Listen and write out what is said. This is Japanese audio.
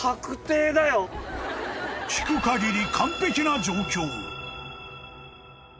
［聞く限り］